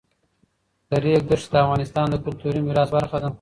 د ریګ دښتې د افغانستان د کلتوري میراث برخه ده.